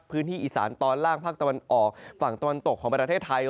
พื้นที่อีสานตอนล่างภาคตะวันออกฝั่งตะวันตกของประเทศไทย